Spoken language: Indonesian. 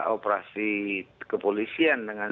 operasi kepolisian dengan